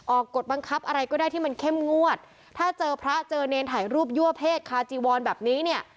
กฎบังคับอะไรก็ได้ที่มันเข้มงวดถ้าเจอพระเจอเนรถ่ายรูปยั่วเพศคาจีวอนแบบนี้เนี่ย